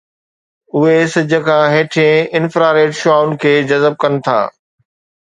اهي سج کان هيٺئين انفراريڊ شعاعن کي جذب ڪن ٿا